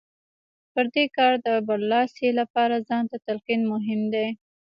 پر دې کار د برلاسۍ لپاره ځان ته تلقين مهم دی.